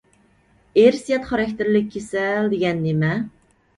ئىرسىيەت خاراكتېرلىك كېسەل دېگەن نېمە؟